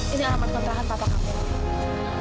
ini alamat kontrakan papa kamu